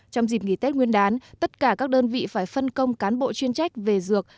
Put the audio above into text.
trong dịp nghỉ tết nguyên đán tất cả các đơn vị phải phân công cán bộ chuyên trách về dược